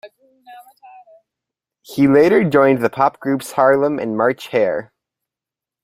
He later joined the pop groups Harlem and March Hare.